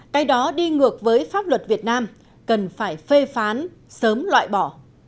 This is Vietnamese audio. cái đó đi ngược với pháp luật việt nam cần phải phê phán sớm loại bỏ